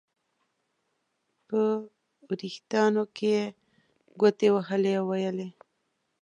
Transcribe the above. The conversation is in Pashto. په وریښتانو کې یې ګوتې وهلې او ویې ویل.